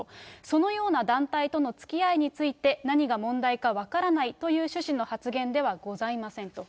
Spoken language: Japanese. そのような団体とのつきあいについて、何が問題か分からないという趣旨の発言ではございませんと。